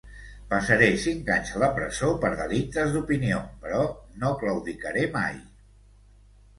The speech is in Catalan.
Passaré cinc anys a la presó per delictes d’opinió, però no claudicaré mai.